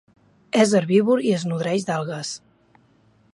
És herbívor i es nodreix d'algues.